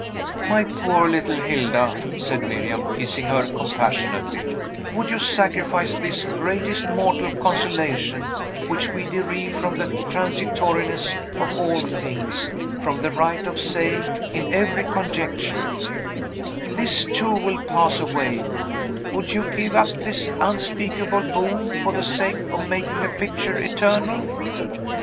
"My poor little Hilda," said Miriam, kissing her compassionately, "would you sacrifice this greatest mortal consolation, which we derive from the transitoriness of all things, from the right of saying, in every conjecture, 'This, too, will pass away,' would you give up this unspeakable boon, for the sake of making a picture eternal?"